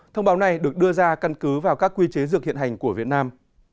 thông báo này được đưa ra căn cứ vào các quy chế dược hiện hành của việt nam